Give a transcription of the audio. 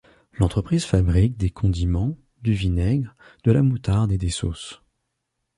L’entreprise fabrique des condiments, du vinaigre, de la moutarde et des sauces.